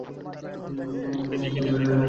আমি এখন আমার গোত্রে ফিরে যাব।